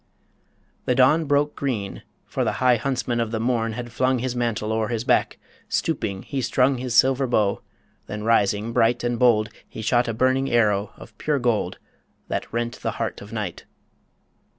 The dawn broke green For the high huntsman of the morn had flung His mantle o'er his back: stooping, he strung His silver bow; then rising, bright and bold, He shot a burning arrow of pure gold That rent the heart of Night.